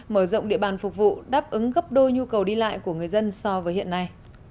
mở rộng địa bàn phục vụ đáp ứng gấp đôi nhu cầu đi lại của người dân so với hiện nay